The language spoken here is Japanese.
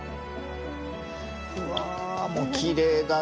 うわきれいだね。